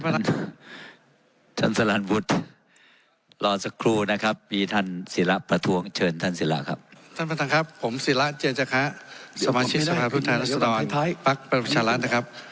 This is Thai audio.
ท่านสลานบุธรอสักครู่นะครับมีท่านศิลประท้วงเชิญท่านศิลาครับ